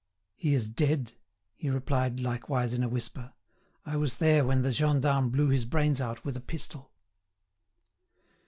"He is dead," he replied, likewise in a whisper. "I was there when the gendarme blew his brains out with a pistol."